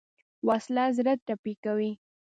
وسله زړه ټپي کوي